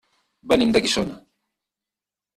Venim de Guissona.